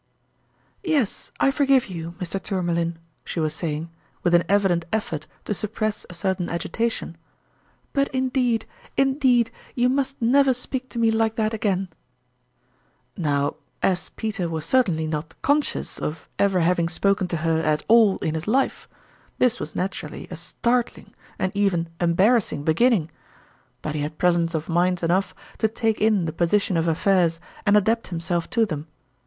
" Yes, I forgive you, Mr. Tourmalin," she was saying, with an evident effort to suppress a certain agitation ; but indeed, indeed, you must never speak to me like that again !" JSTow, as Peter was certainly not conscious of ever having spoken to her at all in his life, this was naturally a startling and even embar assing beginning. But he had presence of mind enough to take in the position of affairs, and adapt him self to them.